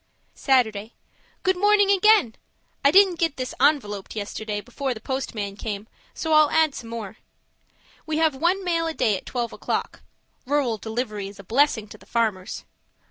Saturday Good morning again! I didn't get this ENVELOPED yesterday before the postman came, so I'll add some more. We have one mail a day at twelve o'clock. Rural delivery is a blessing to the farmers!